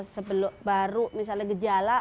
sebelum baru misalnya gejala